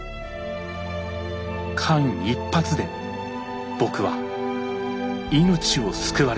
間一髪で僕は命を救われたのだ。